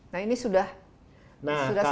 nah ini sudah selesai